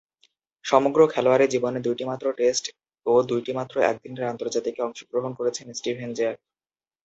সমগ্র খেলোয়াড়ী জীবনে দুইটিমাত্র টেস্ট ও দুইটিমাত্র একদিনের আন্তর্জাতিকে অংশগ্রহণ করেছেন স্টিভেন জ্যাক।